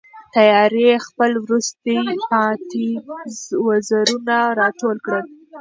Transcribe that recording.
تیارې خپل وروستي پاتې وزرونه را ټول کړل.